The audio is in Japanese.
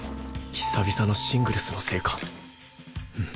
久々のシングルスのせいか？